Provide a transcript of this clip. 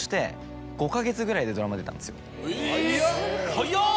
早っ。